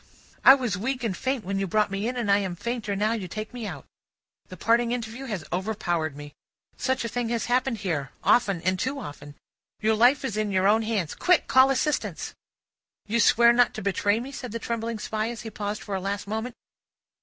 "I was weak and faint when you brought me in, and I am fainter now you take me out. The parting interview has overpowered me. Such a thing has happened here, often, and too often. Your life is in your own hands. Quick! Call assistance!" "You swear not to betray me?" said the trembling Spy, as he paused for a last moment.